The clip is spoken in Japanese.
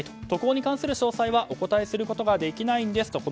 渡航に関する詳細はお答えすることができないんです